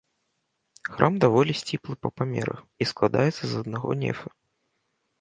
Храм даволі сціплы па памерах і складаецца з аднаго нефа.